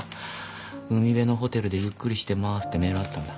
「海辺のホテルでゆっくりしてます」ってメールあったんだ。